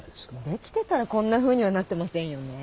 できてたらこんなふうにはなってませんよね？